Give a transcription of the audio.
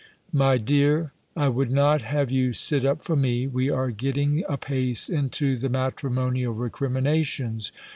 "MY DEAR, "I would not have you sit up for me. We are getting apace into the matrimonial recriminations.